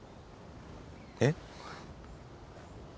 えっ？